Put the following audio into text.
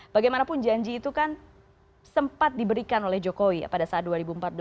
bagaimanapun janji itu kan sempat diberikan oleh jokowi pada saat dua ribu empat belas